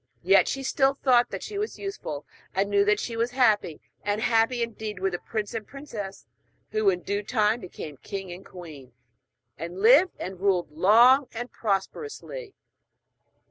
Yet she still thought that she was useful, and knew that she was happy. And happy, indeed, were the prince and princess, who in due time became king and queen, and lived and ruled long and prosperously.